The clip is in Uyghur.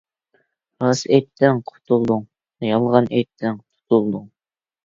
راست ئېيتتىڭ قۇتۇلدۇڭ، يالغان ئېيتتىڭ تۇتۇلدۇڭ.